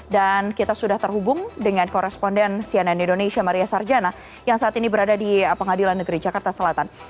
dan kita sudah terhubung dengan koresponden cnn indonesia maria sarjana yang saat ini berada di pengadilan negeri jakarta selatan